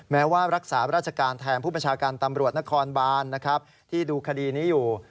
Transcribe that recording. แม้ว่ารักษาราชการแทนผู้บัญชาการตำรวจนครบานนะครับที่ดูคดีนี้อยู่